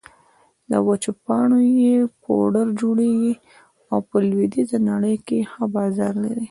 له وچو پاڼو يې پوډر جوړېږي او په لویدېزه نړۍ کې ښه بازار لري